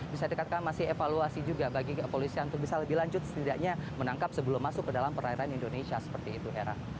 bisa dikatakan masih evaluasi juga bagi kepolisian untuk bisa lebih lanjut setidaknya menangkap sebelum masuk ke dalam perairan indonesia seperti itu hera